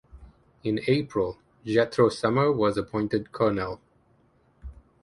In April, Jethro Sumner was appointed colonel.